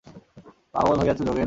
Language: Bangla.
পাগল হইয়াছ যোগেন?